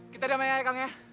kita damai ya kang ya